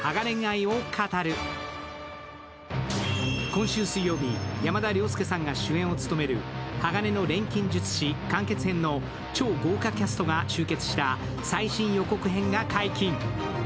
今週水曜日、山田涼介さんが主演を務める「鋼の錬金術師完結編」の超豪華キャストが集結した最新予告編が解禁。